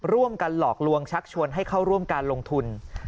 ร่วมกันหลอกลวงชักชวนให้เข้าร่วมการลงทุน